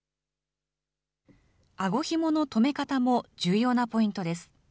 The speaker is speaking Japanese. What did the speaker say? あごひもの止め方も重要なポイントです。